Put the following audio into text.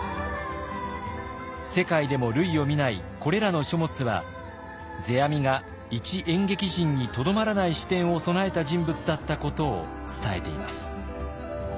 世界でも類を見ないこれらの書物は世阿弥が一演劇人にとどまらない視点を備えた人物だったことを伝えています。